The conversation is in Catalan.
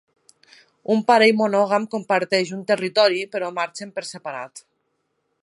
Un parell monògam comparteix un territori però marxen per separat.